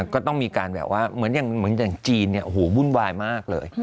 ก็ต้องมีการแบบว่าเหมือนอย่างจีนวุ่นวายมากเลย